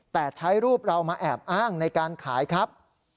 แต่ใช้รูปเรามาแอบอ้างในการขายครับ